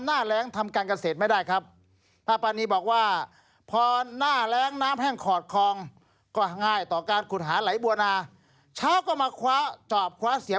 หน้าแรงทำการเกษตรไม่ได้ครับ